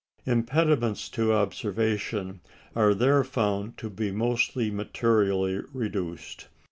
Impediments to observation are there found to be most materially reduced.